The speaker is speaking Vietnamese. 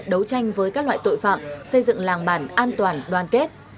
đấu tranh với các loại tội phạm xây dựng làng bản an toàn đoàn kết